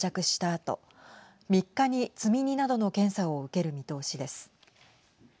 あと３日に、積み荷などの検査を受ける見通しです。